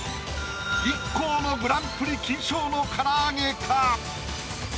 ＩＫＫＯのグランプリ金賞の唐揚げか？